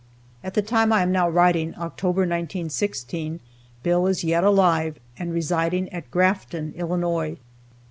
At the time I am now writing, (October, 1916,) Bill is yet alive, and residing at Grafton, Illinois.